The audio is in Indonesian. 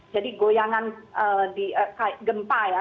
jadi goyangan di gempa ya